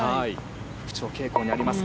復調傾向にあります。